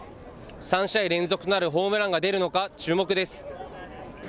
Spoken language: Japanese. ３試合連続となるホームランが出るのか、注目です。